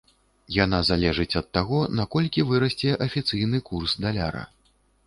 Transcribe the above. Яна залежыць ад таго, наколькі вырасце афіцыйны курс даляра.